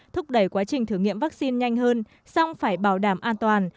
thúc đẩy quá trình thử nghiệm vaccine nhanh hơn xong phải bảo đảm an toàn